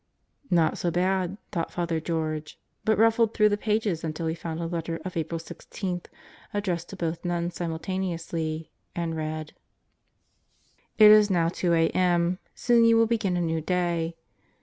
Not so bad, thought Father George, but ruffled through the pages until he found a letter of April 16, addressed to both nuns simultaneously and read: It is now 2 a.m. Soon you will begin a new day.